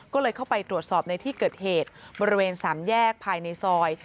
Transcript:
ก็เลยเข้าไปตรวจสอบในที่เกิดเหตุบริเวณสามแยกภายในซอย